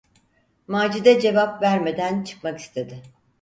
Macide cevap vermeden çıkmak istedi.